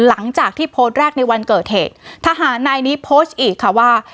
หลังจากที่โพสต์แรกในวันเกิดเหตุทหารนายนี้โพสต์อีกค่ะว่า